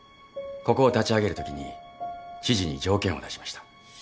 ここを立ち上げるときに知事に条件を出しました。